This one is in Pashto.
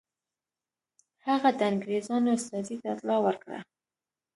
هغه د انګرېزانو استازي ته اطلاع ورکړه.